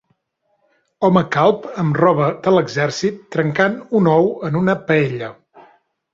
Home calb amb roba de l'exèrcit trencant un ou en una paella.